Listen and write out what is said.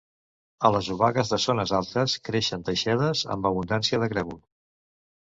A les obagues de zones altes creixen teixedes amb abundància de grèvol.